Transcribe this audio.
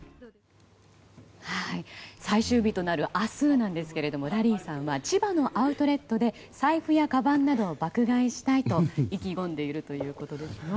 最終日となる明日ですがラリーさんは千葉のアウトレットで財布やかばんなどを爆買いしたいと意気込んでいるということですよ。